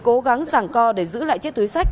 cố gắng giảng co để giữ lại chiếc túi sách